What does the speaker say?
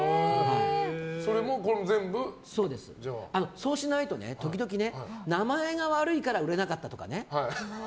そうしないと時々名前が悪いから売れなかったとか。